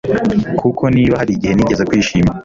kuko niba hari igihe nigeze kwishima